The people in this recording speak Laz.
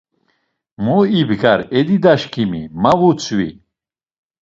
Mo ibgar e didaşǩimi, ma vutzvi.